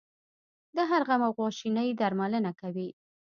د هر غم او خواشینۍ درملنه کوي.